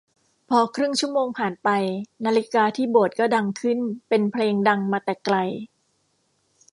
พอครึ่งชั่วโมงผ่านไปนาฬิกาที่โบสถ์ก็ดังขึ้นเป็นเพลงดังมาแต่ไกล